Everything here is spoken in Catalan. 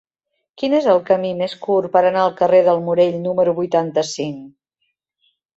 Quin és el camí més curt per anar al carrer del Morell número vuitanta-cinc?